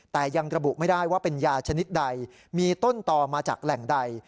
แต่ยังระบุไม่ได้ว่าเป็นยาชนิดใดมีต้นต่อมาจากแหล่งใด